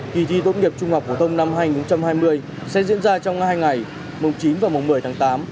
kỳ thi tốt nghiệp trung học phổ thông năm hai nghìn hai mươi sẽ diễn ra trong hai ngày mùng chín và mùng một mươi tháng tám